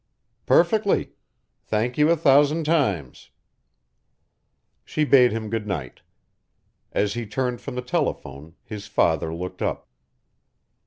"Perfectly. Thank you a thousand times." She bade him good night. As he turned from the telephone, his father looked up.